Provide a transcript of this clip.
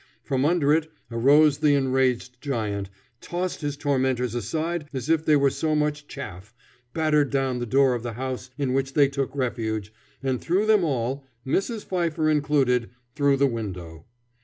From under it arose the enraged giant, tossed his tormentors aside as if they were so much chaff, battered down the door of the house in which they took refuge, and threw them all, Mrs. Pfeiffer included, through the window.